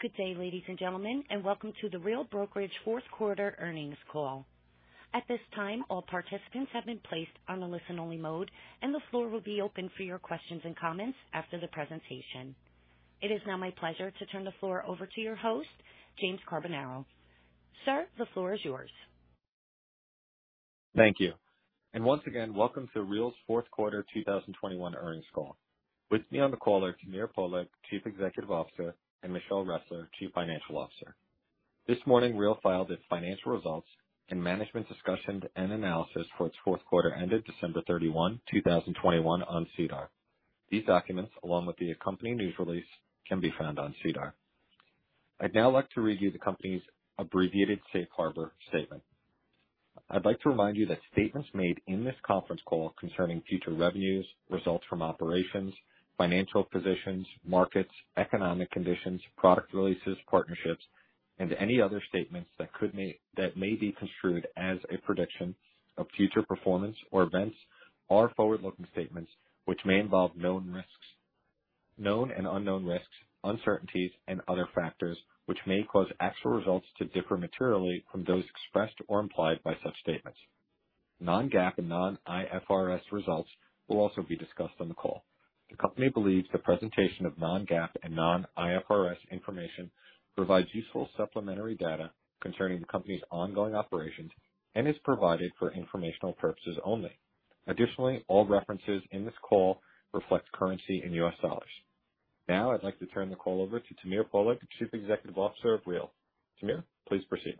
Good day, ladies and gentlemen, and welcome to the Real Brokerage fourth quarter earnings call. At this time, all participants have been placed on a listen-only mode, and the floor will be open for your questions and comments after the presentation. It is now my pleasure to turn the floor over to your host, James Carbonara. Sir, the floor is yours. Thank you. Once again, welcome to Real's fourth quarter 2021 earnings call. With me on the call are Tamir Poleg, Chief Executive Officer, and Michelle Ressler, Chief Financial Officer. This morning, Real filed its financial results and management discussion and analysis for its fourth quarter ended December 31, 2021 on SEDAR. These documents, along with the accompanying news release, can be found on SEDAR. I'd now like to read you the company's abbreviated safe harbor statement. I'd like to remind you that statements made in this conference call concerning future revenues, results from operations, financial positions, markets, economic conditions, product releases, partnerships, and any other statements that may be construed as a prediction of future performance or events are forward-looking statements which may involve known risks, known and unknown risks, uncertainties, and other factors which may cause actual results to differ materially from those expressed or implied by such statements. Non-GAAP and non-IFRS results will also be discussed on the call. The company believes the presentation of non-GAAP and non-IFRS information provides useful supplementary data concerning the company's ongoing operations and is provided for informational purposes only. Additionally, all references in this call reflect currency in U.S. dollars. Now I'd like to turn the call over to Tamir Poleg, Chief Executive Officer of Real. Tamir, please proceed.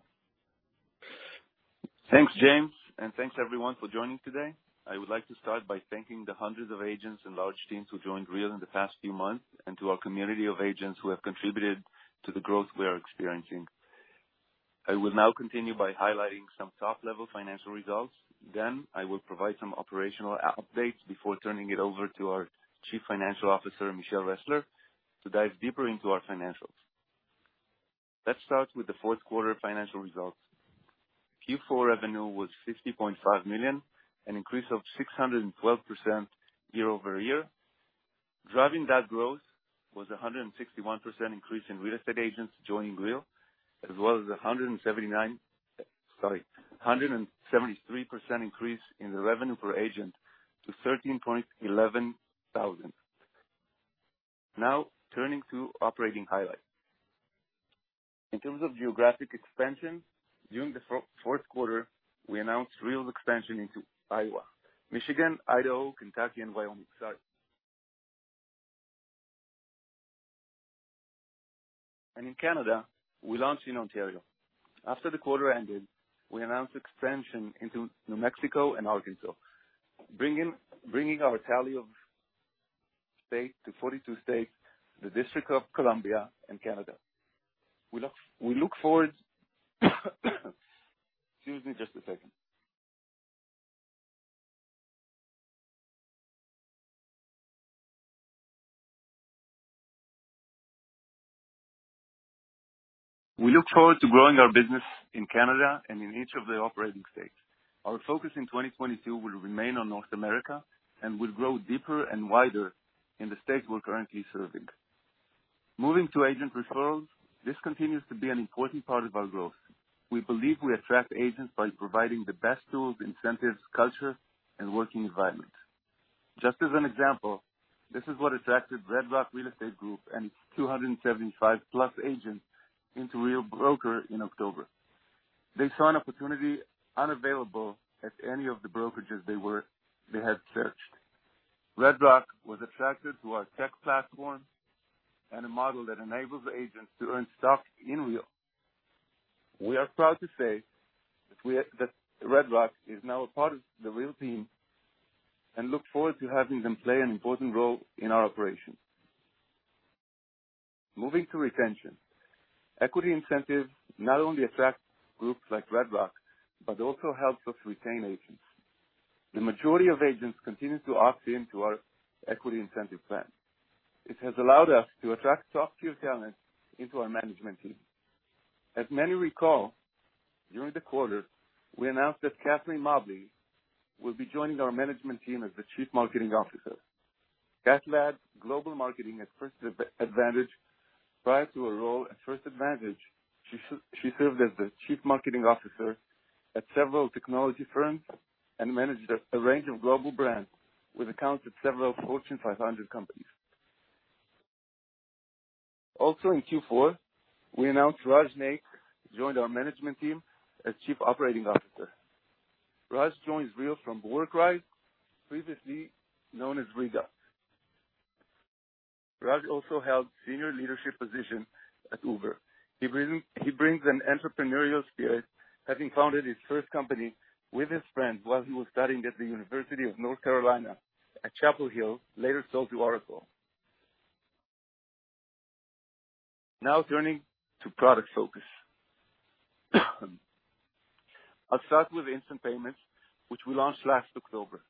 Thanks, James, and thanks everyone for joining today. I would like to start by thanking the hundreds of agents and large teams who joined Real in the past few months and to our community of agents who have contributed to the growth we are experiencing. I will now continue by highlighting some top-level financial results. Then I will provide some operational updates before turning it over to our Chief Financial Officer, Michelle Ressler, to dive deeper into our financials. Let's start with the fourth quarter financial results. Q4 revenue was $60.5 million, an increase of 612% year-over-year. Driving that growth was a 161% increase in real estate agents joining Real, as well as a 173% increase in the revenue per agent to $13.11 thousand. Now, turning to operating highlights. In terms of geographic expansion, during the fourth quarter, we announced Real's expansion into Iowa, Michigan, Idaho, Kentucky, and Wyoming. Sorry. In Canada, we launched in Ontario. After the quarter ended, we announced expansion into New Mexico and Arkansas, bringing our tally of states to 42 states, the District of Columbia and Canada. We look forward to growing our business in Canada and in each of the operating states. Our focus in 2022 will remain on North America, and we'll grow deeper and wider in the states we're currently serving. Moving to agent referrals, this continues to be an important part of our growth. We believe we attract agents by providing the best tools, incentives, culture, and working environment. Just as an example, this is what attracted Red Rock Real Estate Group and 275+ agents into Real in October. They saw an opportunity unavailable at any of the brokerages they had searched. Red Rock was attracted to our tech platform and a model that enables agents to earn stock in Real. We are proud to say that Red Rock is now a part of the Real team and look forward to having them play an important role in our operations. Moving to retention. Equity incentives not only attract groups like Red Rock, but also helps us retain agents. The majority of agents continue to opt into our equity incentive plan. It has allowed us to attract top-tier talent into our management team. As many recall, during the quarter, we announced that Katharine Mobley will be joining our management team as the Chief Marketing Officer. Kath led global marketing at First Advantage. Prior to her role at First Advantage, she served as the Chief Marketing Officer at several technology firms and managed a range of global brands with accounts at several Fortune 500 companies. Also in Q4, we announced Rajnish Naik joined our management team as Chief Operating Officer. Rajnish joins Real from Workrise, previously known as RigUp. Rajnish also held senior leadership positions at Uber. He brings an entrepreneurial spirit, having founded his first company with his friend while he was studying at the University of North Carolina at Chapel Hill, later sold to Oracle. Now, turning to product focus. I'll start with Instant Payments, which we launched last October.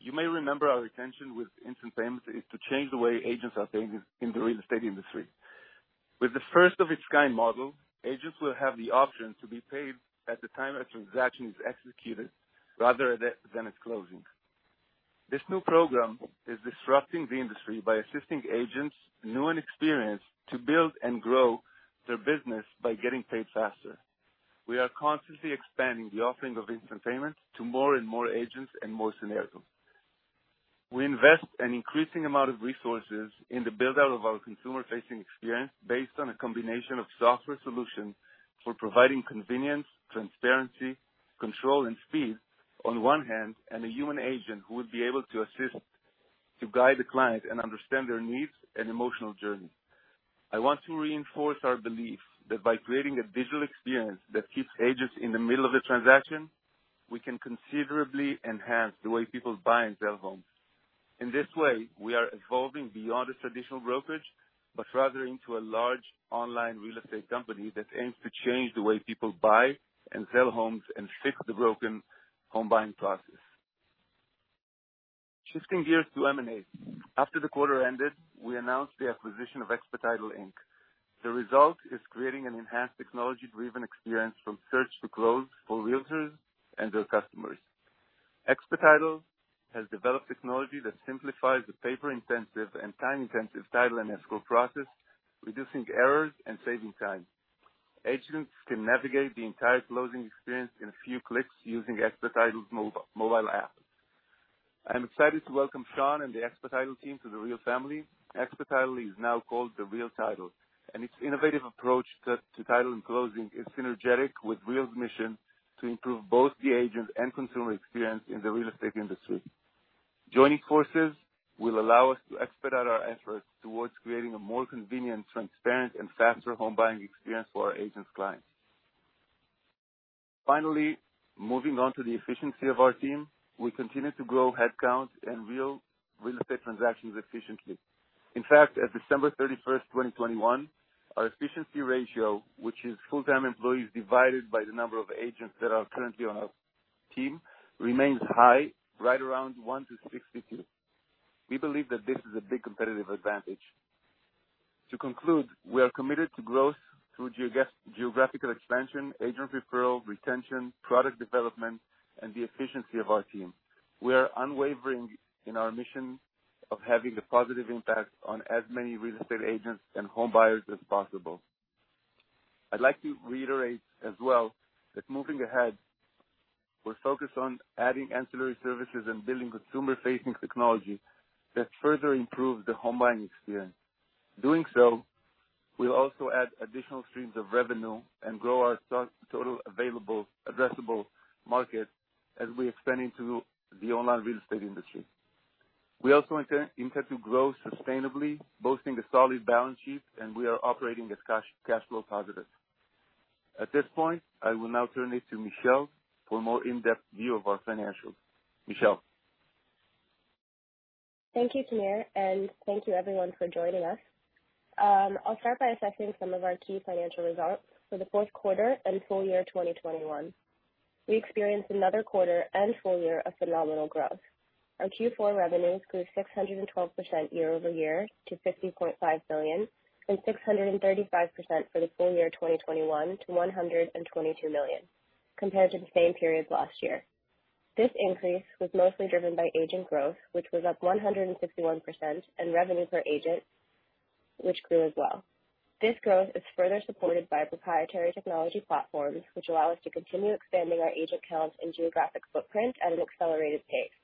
You may remember our intention with Instant Payments is to change the way agents are paid in the real estate industry. With the first of its kind model, agents will have the option to be paid at the time a transaction is executed rather than at closing. This new program is disrupting the industry by assisting agents, new and experienced, to build and grow their business by getting paid faster. We are constantly expanding the offering of Instant Payments to more and more agents and more scenarios. We invest an increasing amount of resources in the build-out of our consumer-facing experience based on a combination of software solutions for providing convenience, transparency, control, and speed on one hand, and a human agent who would be able to assist to guide the client and understand their needs and emotional journey. I want to reinforce our belief that by creating a digital experience that keeps agents in the middle of a transaction, we can considerably enhance the way people buy and sell homes. In this way, we are evolving beyond a traditional brokerage, but rather into a large online real estate company that aims to change the way people buy and sell homes and fix the broken home buying process. Shifting gears to M&A. After the quarter ended, we announced the acquisition of Expetitle Inc. The result is creating an enhanced technology-driven experience from search to close for realtors and their customers. Expetitle, has developed technology that simplifies the paper-intensive and time-intensive title and escrow process, reducing errors and saving time. Agents can navigate the entire closing experience in a few clicks using Expetitle's mobile app. I am excited to welcome Sean and the Expetitle team to the Real family. Expetitle is now called the Real Title, and its innovative approach to title and closing is synergetic with Real's mission to improve both the agent and consumer experience in the real estate industry. Joining forces will allow us to expedite our efforts towards creating a more convenient, transparent, and faster home buying experience for our agents' clients. Finally, moving on to the efficiency of our team. We continue to grow headcounts and real estate transactions efficiently. In fact, as of December 31, 2021, our efficiency ratio, which is full-time employees divided by the number of agents that are currently on our team, remains high, right around 1 to 62. We believe that this is a big competitive advantage. To conclude, we are committed to growth through geographical expansion, agent referral, retention, product development, and the efficiency of our team. We are unwavering in our mission of having a positive impact on as many real estate agents and home buyers as possible. I'd like to reiterate as well that moving ahead, we're focused on adding ancillary services and building consumer-facing technology that further improves the home buying experience. Doing so will also add additional streams of revenue and grow our total available addressable market as we expand into the online real estate industry. We also intend to grow sustainably, boasting a solid balance sheet, and we are operating as cash flow positive. At this point, I will now turn it to Michelle for a more in-depth view of our financials. Michelle? Thank you, Tamir, and thank you everyone for joining us. I'll start by assessing some of our key financial results for the fourth quarter and full year 2021. We experienced another quarter and full year of phenomenal growth. Our Q4 revenues grew 612% year-over-year to $50.5 million and 635% for the full year 2021 to $122 million compared to the same period last year. This increase was mostly driven by agent growth, which was up 161%, and revenue per agent, which grew as well. This growth is further supported by proprietary technology platforms, which allow us to continue expanding our agent count and geographic footprint at an accelerated pace.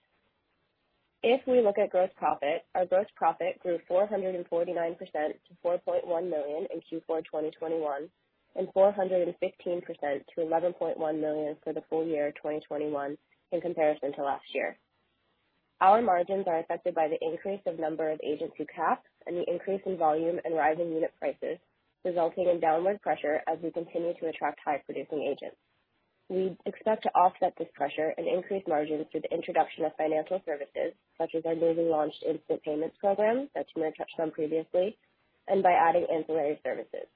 If we look at gross profit, our gross profit grew 449% to $4.1 million in Q4 2021 and 415% to $11.1 million for the full year 2021 in comparison to last year. Our margins are affected by the increase of number of agents who cap and the increase in volume and rising unit prices, resulting in downward pressure as we continue to attract high-producing agents. We expect to offset this pressure and increase margins through the introduction of financial services, such as our newly launched Instant Payments program that Tamir touched on previously, and by adding ancillary services.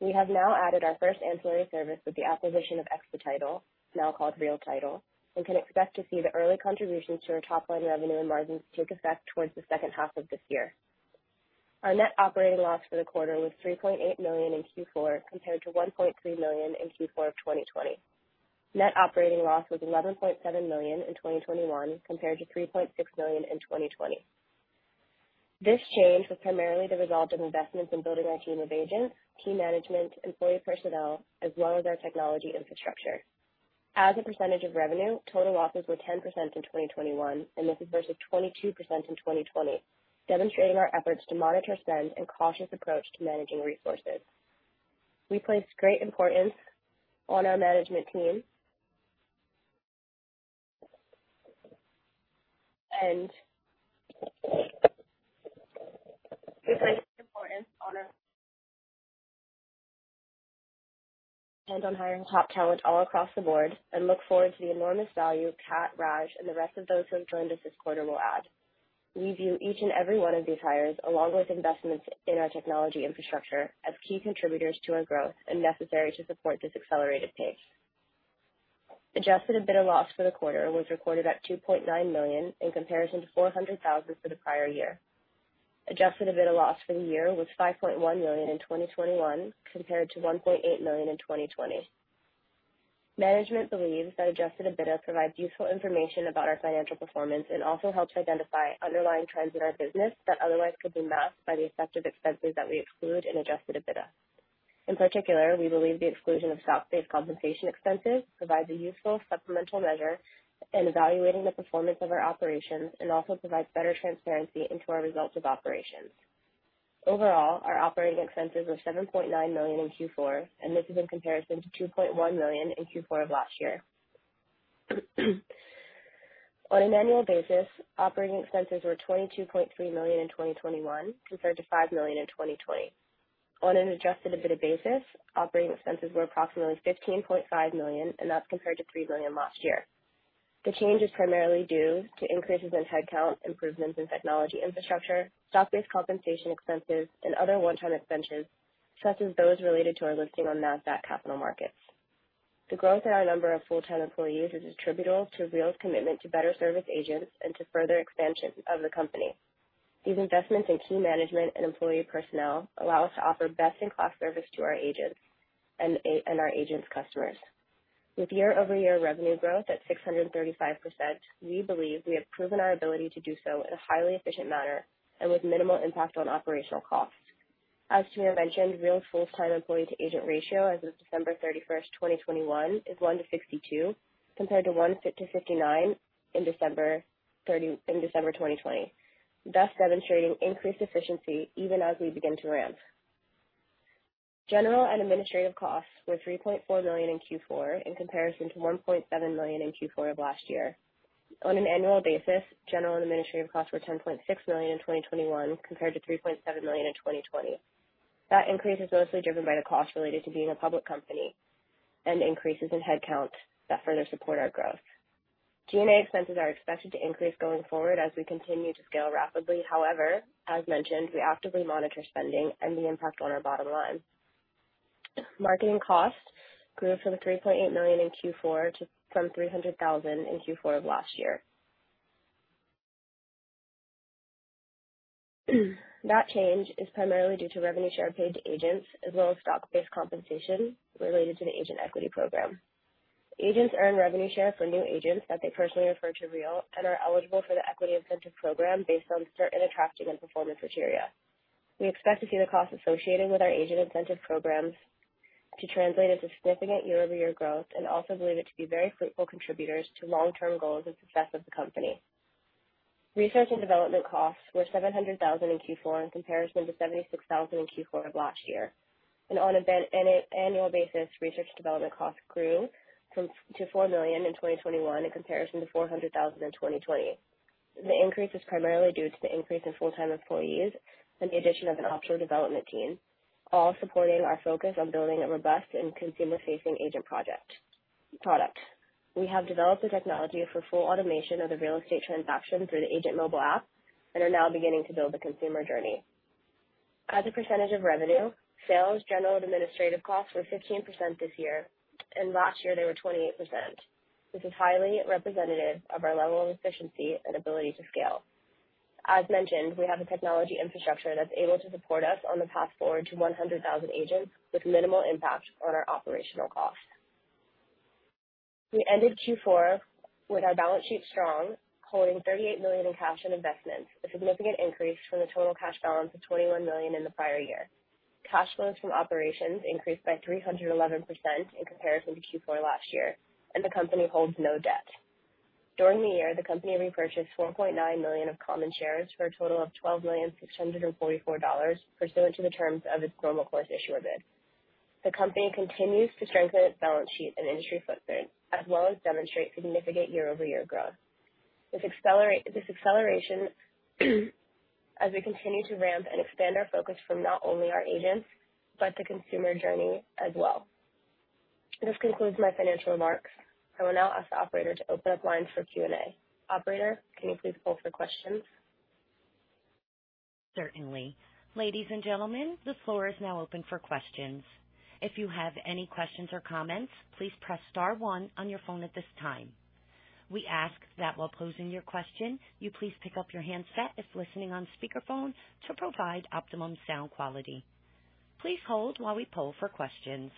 We have now added our first ancillary service with the acquisition of Expetitle, now called Real Title, and can expect to see the early contributions to our top-line revenue and margins take effect towards the second half of this year. Our net operating loss for the quarter was $3.8 million in Q4, compared to $1.3 million in Q4 of 2020. Net operating loss was $11.7 million in 2021, compared to $3.6 million in 2020. This change was primarily the result of investments in building our team of agents, team management, employee personnel, as well as our technology infrastructure. As a percentage of revenue, total losses were 10% in 2021, and this is versus 22% in 2020, demonstrating our efforts to monitor spend and cautious approach to managing resources. We place great importance on our management team and on hiring top talent all across the board and look forward to the enormous value Kat, Raj, and the rest of those who have joined us this quarter will add. We view each and every one of these hires, along with investments in our technology infrastructure, as key contributors to our growth and necessary to support this accelerated pace. Adjusted EBITDA loss for the quarter was recorded at $2.9 million, in comparison to $400,000 for the prior year. Adjusted EBITDA loss for the year was $5.1 million in 2021, compared to $1.8 million in 2020. Management believes that adjusted EBITDA provides useful information about our financial performance and also helps identify underlying trends in our business that otherwise could be masked by the effects of expenses that we exclude in adjusted EBITDA. In particular, we believe the exclusion of stock-based compensation expenses provides a useful supplemental measure in evaluating the performance of our operations and also provides better transparency into our results of operations. Overall, our operating expenses were $7.9 million in Q4, and this is in comparison to $2.1 million in Q4 of last year. On an annual basis, operating expenses were $22.3 million in 2021 compared to $5 million in 2020. On an adjusted EBITDA basis, operating expenses were approximately $15.5 million, and that's compared to $3 million last year. The change is primarily due to increases in headcount, improvements in technology infrastructure, stock-based compensation expenses, and other one-time expenses, such as those related to our listing on Nasdaq Capital Market. The growth in our number of full-time employees is attributable to Real's commitment to better service agents and to further expansion of the company. These investments in key management and employee personnel allow us to offer best-in-class service to our agents and our agents' customers. With year-over-year revenue growth at 635%, we believe we have proven our ability to do so in a highly efficient manner and with minimal impact on operational costs. As Tamir mentioned, Real's full-time employee-to-agent ratio as of December 31st, 2021 is 1:62, compared to 1:59 in December 2020, thus demonstrating increased efficiency even as we begin to ramp. General and administrative costs were $3.4 million in Q4 in comparison to $1.7 million in Q4 of last year. On an annual basis, general and administrative costs were $10.6 million in 2021 compared to $3.7 million in 2020. That increase is mostly driven by the costs related to being a public company and increases in headcount that further support our growth. G&A expenses are expected to increase going forward as we continue to scale rapidly. However, as mentioned, we actively monitor spending and the impact on our bottom line. Marketing costs grew from $3.8 million in Q4 to $300,000 in Q4 of last year. That change is primarily due to revenue share paid to agents as well as stock-based compensation related to the agent equity program. Agents earn revenue share for new agents that they personally refer to Real and are eligible for the equity incentive program based on certain attraction and performance criteria. We expect to see the costs associated with our agent incentive programs to translate into significant year-over-year growth and also believe it to be very fruitful contributors to long-term goals and success of the company. Research and development costs were $700,000 in Q4 in comparison to $76,000 in Q4 of last year. On an annual basis, research and development costs grew to $4 million in 2021 in comparison to $400,000 in 2020. The increase is primarily due to the increase in full-time employees and the addition of an additional development team, all supporting our focus on building a robust and consumer-facing agent product. We have developed the technology for full automation of the real estate transaction through the agent mobile app and are now beginning to build the consumer journey. As a percentage of revenue, sales, general and administrative costs were 15% this year, and last year they were 28%. This is highly representative of our level of efficiency and ability to scale. As mentioned, we have a technology infrastructure that's able to support us on the path forward to 100,000 agents with minimal impact on our operational costs. We ended Q4 with our balance sheet strong, holding $38 million in cash and investments, a significant increase from the total cash balance of $21 million in the prior year. Cash flows from operations increased by 311% in comparison to Q4 last year, and the company holds no debt. During the year, the company repurchased 4.9 million of common shares for a total of $12.644 million pursuant to the terms of its normal course issuer bid. The company continues to strengthen its balance sheet and industry footprint, as well as demonstrate significant year-over-year growth. This acceleration as we continue to ramp and expand our focus from not only our agents but the consumer journey as well. This concludes my financial remarks. I will now ask the operator to open up lines for Q&A. Operator, can you please poll for questions? Certainly. Ladies and gentlemen, the floor is now open for questions. If you have any questions or comments, please press star one on your phone at this time. We ask that while posing your question, you please pick up your handset if listening on speakerphone to provide optimum sound quality. Please hold while we poll for questions.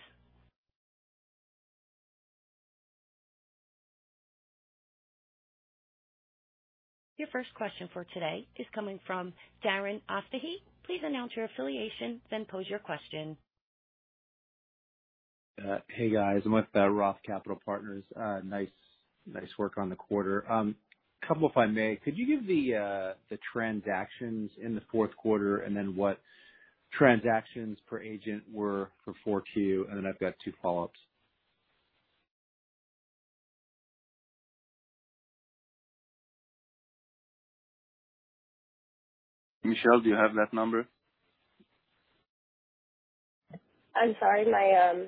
Your first question for today is coming from Darren Aftahi. Please announce your affiliation, then pose your question. Hey, guys. I'm with Roth Capital Partners. Nice work on the quarter. A couple if I may. Could you give the transactions in the fourth quarter and then what transactions per agent were for Q4 too? Then I've got two follow-ups. Michelle, do you have that number? I'm sorry. My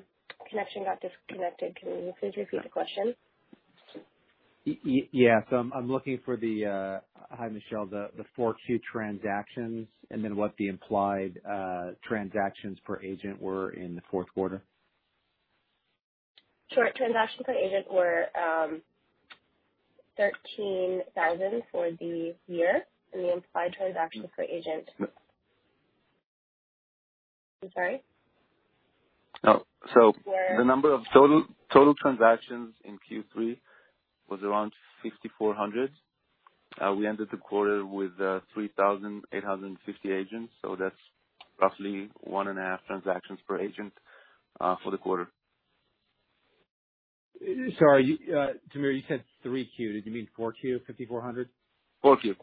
connection got disconnected. Can you please repeat the question? Yes. Hi, Michelle. I'm looking for the 42 transactions and then what the implied transactions per agent were in the fourth quarter. Sure. Transactions per agent were 13,000 for the year, and the implied transactions per agent I'm sorry? The number of total transactions in Q3 was around 6,400. We ended the quarter with 3,850 agents, so that's roughly 1.5 transactions per agent for the quarter. Sorry, Tamir, you said three Q. Did you mean 4Q, 5,400? 4Q.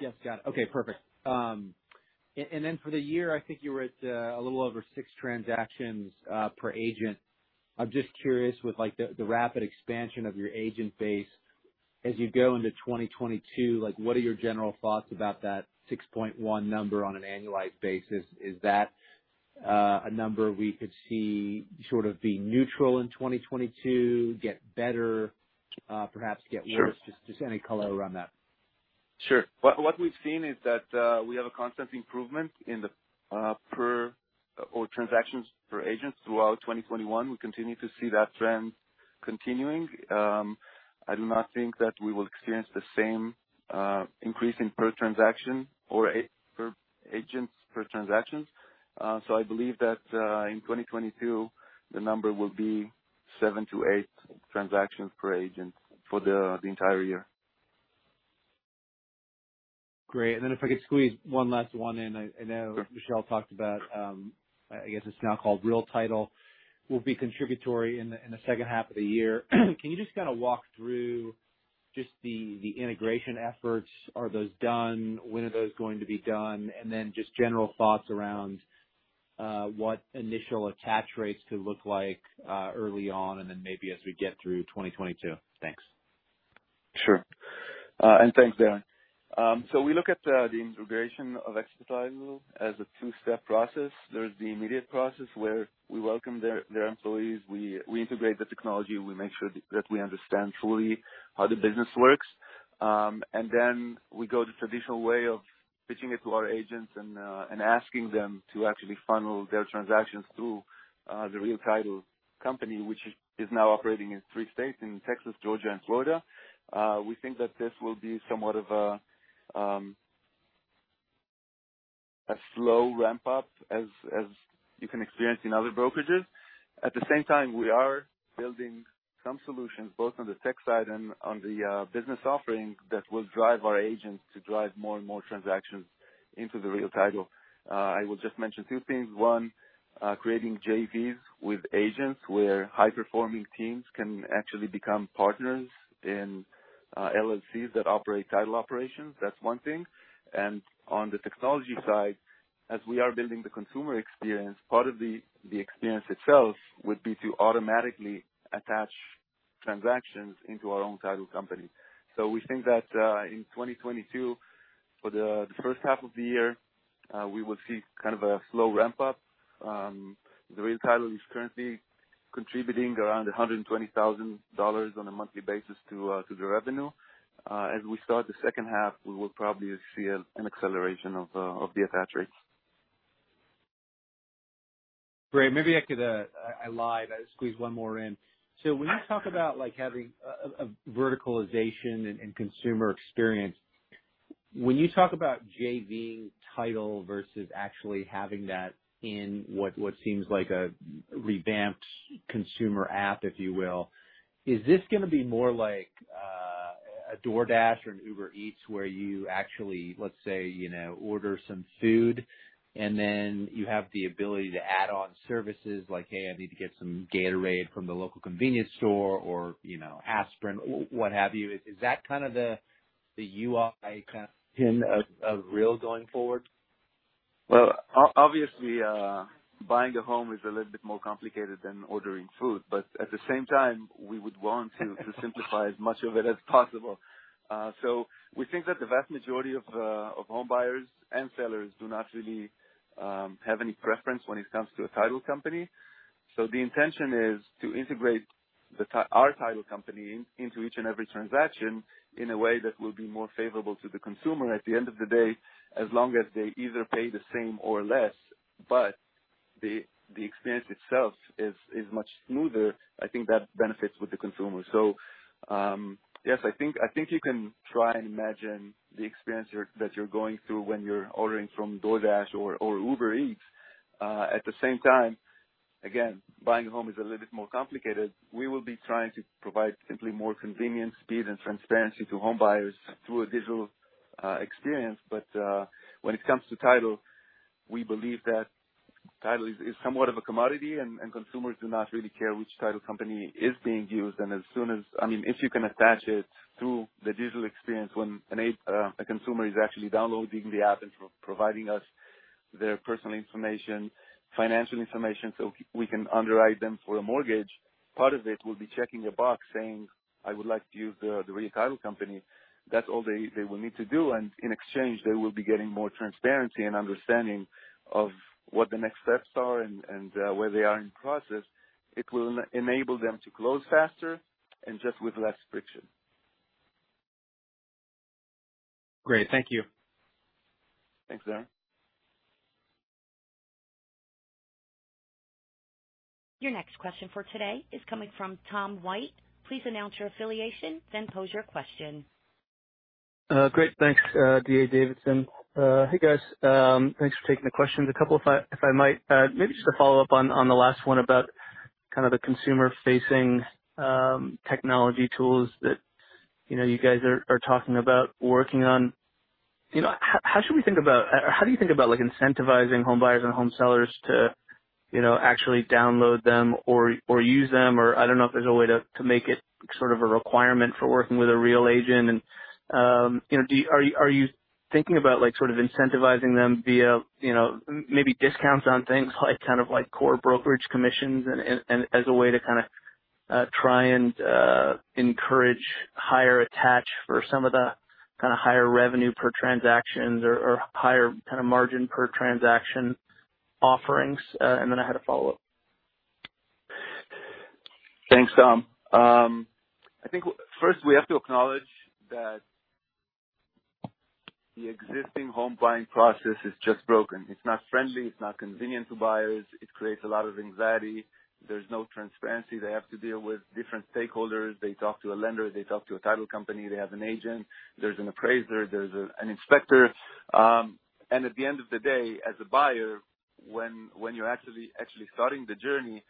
Yes. Got it. Okay, perfect. For the year, I think you were at a little over six transactions per agent. I'm just curious with the rapid expansion of your agent base as you go into 2022, like, what are your general thoughts about that 6.1 number on an annualized basis? Is that a number we could see sort of being neutral in 2022, get better, perhaps get worse? Just any color around that. Sure. What we've seen is that we have a constant improvement in the transactions per agent throughout 2021. We continue to see that trend continuing. I do not think that we will experience the same increase in per agent transactions. I believe that in 2022, the number will be 7-8 transactions per agent for the entire year. Great. If I could squeeze one last one in. I know Michelle talked about, I guess it's now called Real Title, will be contributory in the second half of the year. Can you just kinda walk through just the integration efforts? Are those done? When are those going to be done? Just general thoughts around what initial attach rates could look like early on and then maybe as we get through 2022. Thanks. Sure. Thanks, Darren. We look at the integration of Expetitle as a two-step process. There's the immediate process, where we welcome their employees. We integrate the technology. We make sure that we understand fully how the business works. Then we go the traditional way of pitching it to our agents and asking them to actually funnel their transactions through the Real Title company, which is now operating in three states, in Texas, Georgia, and Florida. We think that this will be somewhat of a slow ramp up as you can experience in other brokerages. At the same time, we are building some solutions, both on the tech side and on the business offerings, that will drive our agents to drive more and more transactions into the Real Title. I will just mention two things. One, creating JVs with agents, where high-performing teams can actually become partners in LLCs that operate title operations. That's one thing. On the technology side, as we are building the consumer experience, part of the experience itself would be to automatically attach transactions into our own title company. We think that in 2022, for the first half of the year, we will see kind of a slow ramp up. The Real Title is currently contributing around $120,000 on a monthly basis to the revenue. As we start the second half, we will probably see an acceleration of the attach rates. Great. Maybe I could. I lied, I'll squeeze one more in. When you talk about, like, having a verticalization and consumer experience, when you talk about JV-ing title versus actually having that in what seems like a revamped consumer app, if you will, is this gonna be more like a DoorDash or an Uber Eats where you actually, let's say, you know, order some food and then you have the ability to add on services like, "Hey, I need to get some Gatorade from the local convenience store or, you know, aspirin," what have you. Is that kind of the UI kind of plan of Real going forward? Well, obviously, buying a home is a little bit more complicated than ordering food, but at the same time, we would want to simplify as much of it as possible. We think that the vast majority of home buyers and sellers do not really have any preference when it comes to a title company. The intention is to integrate our title company into each and every transaction in a way that will be more favorable to the consumer at the end of the day, as long as they either pay the same or less. The experience itself is much smoother. I think that benefits the consumer. Yes, I think you can try and imagine the experience you're going through when you're ordering from DoorDash or Uber Eats. At the same time, again, buying a home is a little bit more complicated. We will be trying to provide simply more convenience, speed, and transparency to home buyers through a digital experience. When it comes to title, we believe that title is somewhat of a commodity and consumers do not really care which title company is being used. As soon as I mean, if you can attach it to the digital experience when a consumer is actually downloading the app and providing us their personal information, financial information, so we can underwrite them for a mortgage, part of it will be checking a box saying, "I would like to use the Real Title company." That's all they will need to do, and in exchange, they will be getting more transparency and understanding of what the next steps are and where they are in process. It will enable them to close faster and just with less friction. Great. Thank you. Thanks, Darren. Your next question for today is coming from Tom White. Please announce your affiliation, then pose your question. Great. Thanks, D.A. Davidson. Hey, guys. Thanks for taking the questions. A couple, if I might, maybe just to follow up on the last one about kind of the consumer-facing technology tools that, you know, you guys are talking about working on. You know, how do you think about, like, incentivizing home buyers and home sellers to, you know, actually download them or use them? Or I don't know if there's a way to make it sort of a requirement for working with a real agent. You know, are you thinking about, like, sort of incentivizing them via, you know, maybe discounts on things like, kind of like core brokerage commissions and as a way to kinda try and encourage higher attach for some of the kinda higher revenue per transactions or higher kinda margin per transaction offerings? I had a follow-up. Thanks, Tom. I think first we have to acknowledge that the existing home buying process is just broken. It's not friendly, it's not convenient to buyers, it creates a lot of anxiety. There's no transparency. They have to deal with different stakeholders. They talk to a lender, they talk to a title company, they have an agent, there's an appraiser, there's an inspector. At the end of the day, as a buyer, when you're actually starting the journey,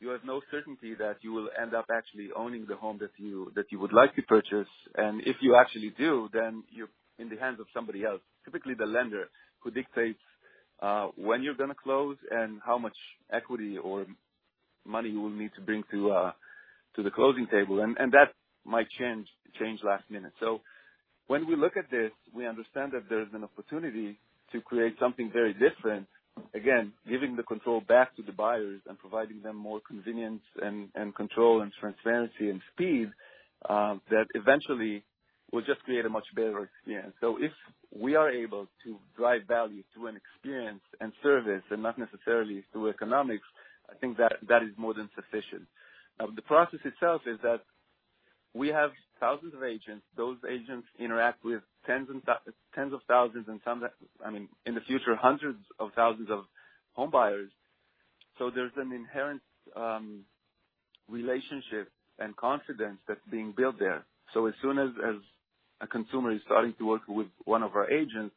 you have no certainty that you will end up actually owning the home that you would like to purchase. If you actually do, then you're in the hands of somebody else, typically the lender, who dictates when you're gonna close and how much equity or money you will need to bring to the closing table, and that might change last minute. When we look at this, we understand that there's an opportunity to create something very different. Again, giving the control back to the buyers and providing them more convenience and control and transparency and speed, that eventually will just create a much better experience. If we are able to drive value through an experience and service and not necessarily through economics, I think that is more than sufficient. The process itself is that we have thousands of agents. Those agents interact with tens of thousands and, I mean, in the future, hundreds of thousands of home buyers. There's an inherent relationship and confidence that's being built there. As soon as a consumer is starting to work with one of our agents,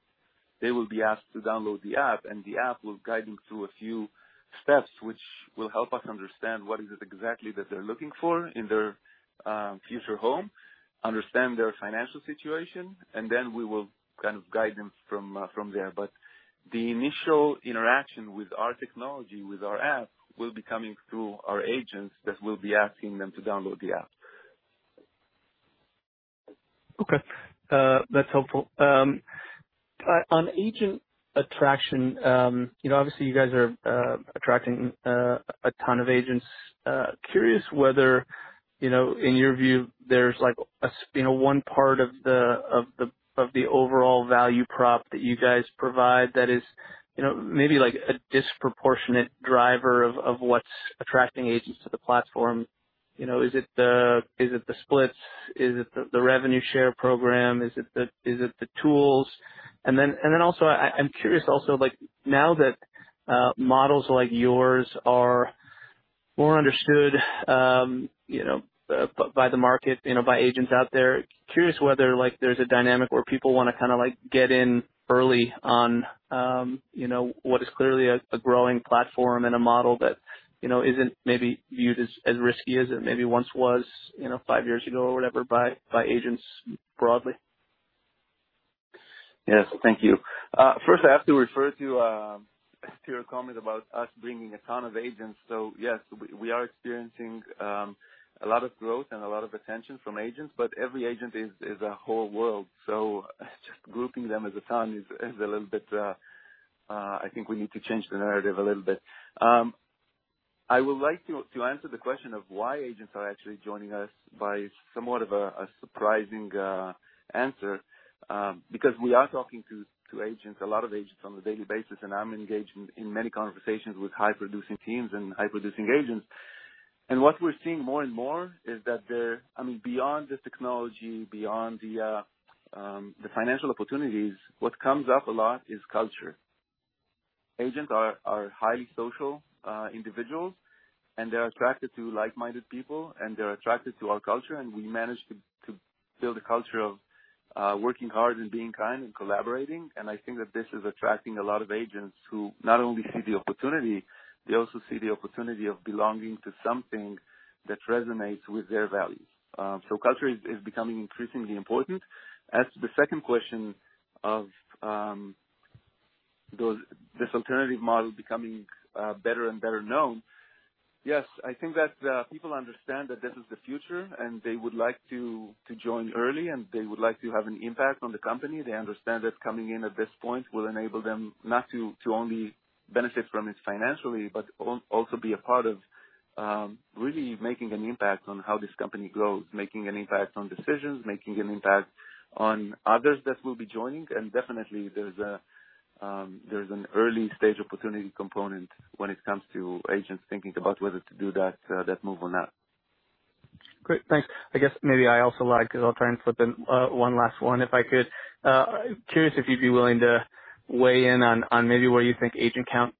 they will be asked to download the app, and the app will guide them through a few steps which will help us understand what it is exactly that they're looking for in their future home, understand their financial situation, and then we will kind of guide them from there. The initial interaction with our technology, with our app, will be coming through our agents that will be asking them to download the app. Okay. That's helpful. On agent attraction, you know, obviously you guys are attracting a ton of agents. Curious whether, you know, in your view, there's like a you know, one part of the overall value prop that you guys provide that is, you know, maybe like a disproportionate driver of what's attracting agents to the platform. You know, is it the splits? Is it the revenue share program? Is it the tools? I'm curious also like now that models like yours are more understood, you know, by the market, you know, by agents out there, curious whether like there's a dynamic where people wanna kinda like get in early on, you know, what is clearly a growing platform and a model that, you know, isn't maybe viewed as risky as it maybe once was, you know, five years ago or whatever by agents broadly. Yes. Thank you. First I have to refer to your comment about us bringing a ton of agents. Yes, we are experiencing a lot of growth and a lot of attention from agents, but every agent is a whole world. Just grouping them as a ton is a little bit. I think we need to change the narrative a little bit. I would like to answer the question of why agents are actually joining us by somewhat of a surprising answer because we are talking to agents, a lot of agents on a daily basis, and I'm engaged in many conversations with high producing teams and high producing agents. What we're seeing more and more is that I mean, beyond the technology, beyond the financial opportunities, what comes up a lot is culture. Agents are highly social individuals, and they're attracted to like-minded people and they're attracted to our culture, and we manage to build a culture of working hard and being kind and collaborating. I think that this is attracting a lot of agents who not only see the opportunity, they also see the opportunity of belonging to something that resonates with their values. Culture is becoming increasingly important. As to the second question of this alternative model becoming better and better known, yes, I think that people understand that this is the future and they would like to join early and they would like to have an impact on the company. They understand that coming in at this point will enable them not only benefit from it financially, but also be a part of really making an impact on how this company grows, making an impact on decisions, making an impact on others that will be joining. Definitely there's an early stage opportunity component when it comes to agents thinking about whether to do that move or not. Great. Thanks. I guess maybe I also lied because I'll try and slip in one last one if I could. Curious if you'd be willing to weigh in on maybe where you think agent count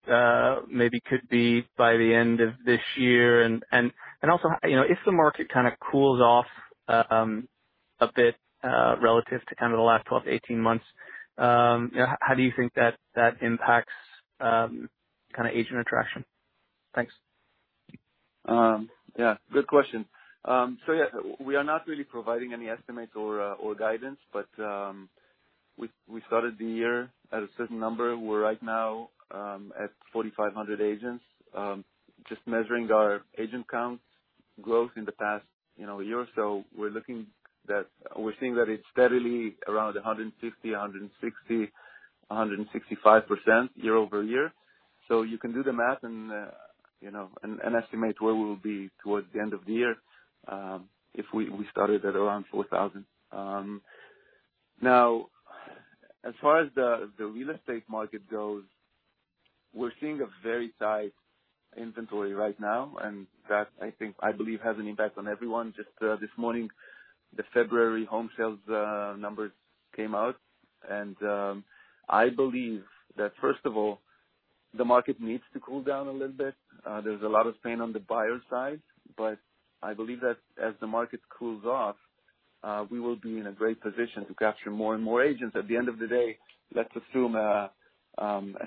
maybe could be by the end of this year. And also, you know, if the market kind of cools off a bit relative to kind of the last 12-18 months, you know, how do you think that impacts kind of agent attraction? Thanks. Yeah, good question. We are not really providing any estimates or guidance, but we started the year at a certain number. We're right now at 4,500 agents. Just measuring our agent count growth in the past, you know, year or so, we're seeing that it's steadily around 150%, 160%, 165% year-over-year. You can do the math and, you know, and estimate where we will be towards the end of the year, if we started at around 4,000. Now, as far as the real estate market goes, we're seeing a very tight inventory right now, and that I think, I believe, has an impact on everyone. Just this morning, the February home sales numbers came out. I believe that, first of all, the market needs to cool down a little bit. There's a lot of pain on the buyer side, but I believe that as the market cools off, we will be in a great position to capture more and more agents. At the end of the day, let's assume a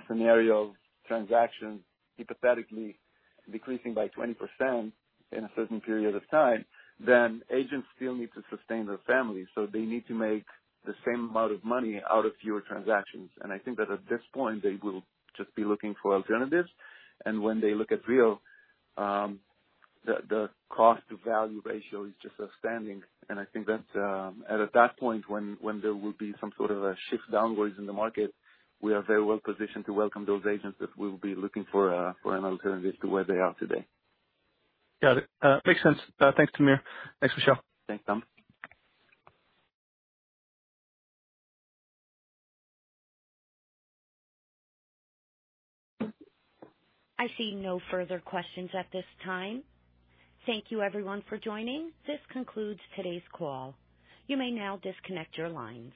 scenario of transactions hypothetically decreasing by 20% in a certain period of time, then agents still need to sustain their families, so they need to make the same amount of money out of fewer transactions. I think that at this point, they will just be looking for alternatives. When they look at Real, the cost to value ratio is just outstanding. I think that, at that point, when there will be some sort of a shift downwards in the market, we are very well positioned to welcome those agents that will be looking for an alternative to where they are today. Got it. Makes sense. Thanks, Tamir. Thanks, Michelle. Thanks, Tom. I see no further questions at this time. Thank you, everyone, for joining. This concludes today's call. You may now disconnect your lines.